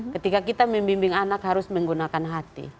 ketika kita membimbing anak harus menggunakan hati